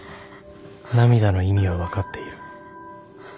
涙の意味は分かっている